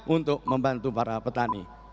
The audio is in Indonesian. untuk membantu para petani